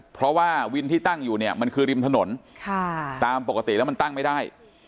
เพราะว่าวินที่ตั้งอยู่เนี่ยมันคือริมถนนตามปกติแล้วมันตั้งไม่ได้